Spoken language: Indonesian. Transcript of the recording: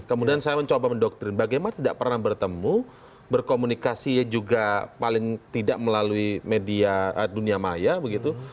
kemudian saya mencoba mendoktrin bagaimana tidak pernah bertemu berkomunikasi juga paling tidak melalui media dunia maya begitu